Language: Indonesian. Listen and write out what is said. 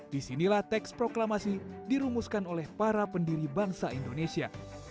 disinilah teks proklamasi dirumuskan oleh para pendiri bangsa indonesia